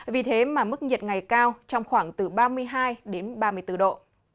vì thế mà mức nhiệt ngày cao trong khoảng từ ba mươi hai đến ba mươi bốn độ